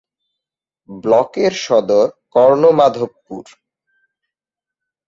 ব্লকের সদর কর্ণমাধবপুর।